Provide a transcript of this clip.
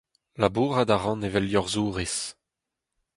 Labourat a ran evel liorzhourez.